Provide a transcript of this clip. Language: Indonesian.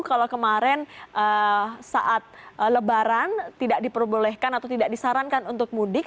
kalau kemarin saat lebaran tidak diperbolehkan atau tidak disarankan untuk mudik